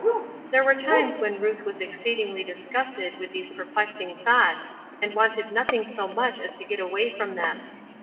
There were times when Ruth was exceedingly disgusted with these perplexing thoughts, and wanted nothing so much as to get away from them.